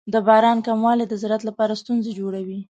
د باران کموالی د زراعت لپاره ستونزې جوړوي.